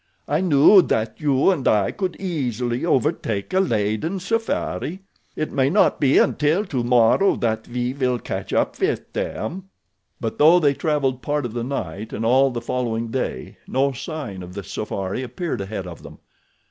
I knew that you and I could easily overtake a laden safari. It may not be until tomorrow that we'll catch up with them." But though they traveled part of the night and all the following day no sign of the safari appeared ahead of them.